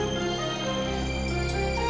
disini tempat saya